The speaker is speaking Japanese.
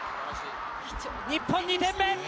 日本２点目！